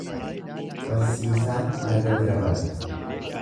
Barsiisaan laga bira barata.